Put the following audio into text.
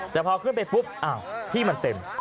แต่พอขึ้นไปปุ๊บอ้าวที่มันเต็ม